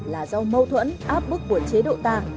là do mâu thuẫn áp bức của chế độ ta